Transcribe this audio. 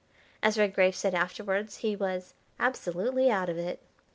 As Redgrave said afterwards, he was "absolutely out of it."